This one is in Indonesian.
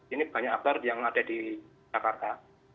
ini banyak akbar yang ada di jakarta